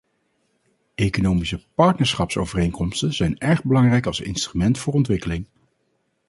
Economische partnerschapsovereenkomsten zijn erg belangrijk als instrument voor ontwikkeling.